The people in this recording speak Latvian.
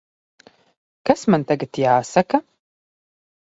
Kas man tagad jāsaka?